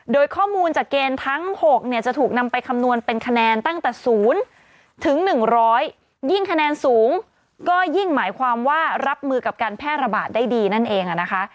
โดยข้อมูลจากเกณฑ์ทั้ง๖เนี่ยจะถูกนำไปคำนวณเป็นคะแนนตั้งแต่๐ถึง๑๐๐ยิ่งคะแนนสูงก็ยิ่งหมายความว่ารับมือกับการแพร่ระบาดได้ดีนั่นเองนะคะ